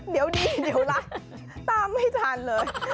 เดี๋ยวดีเดี๋ยวละตามไม่ทันเลย